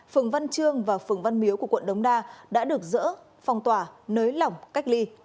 phường văn chương và phường văn miếu của quận đống đa đã được dỡ phong tỏa nới lỏng cách ly